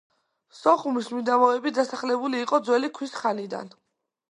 სოხუმის მიდამოები დასახლებული იყო ძველი ქვის ხანიდან.